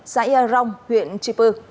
xã ea rong huyện chi pu